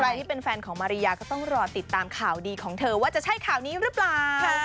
ที่เป็นแฟนของมาริยาก็ต้องรอติดตามข่าวดีของเธอว่าจะใช่ข่าวนี้หรือเปล่า